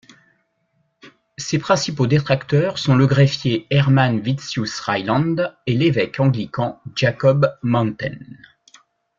Ses principaux détracteurs sont le greffier Herman Witsius Ryland et l'évêque anglican Jacob Mountain.